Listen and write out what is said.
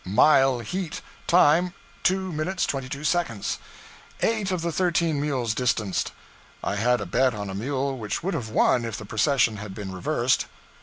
Mile heat; time 2:22. Eight of the thirteen mules distanced. I had a bet on a mule which would have won if the procession had been reversed.